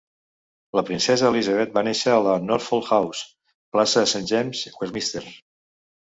La princesa Elisabet va néixer a la Norfolk House, plaça de Saint James, Westminster.